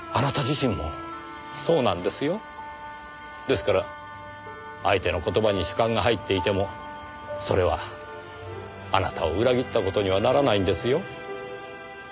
ですから相手の言葉に主観が入っていてもそれはあなたを裏切った事にはならないんですよ。